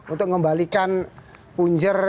untuk membalikan punjer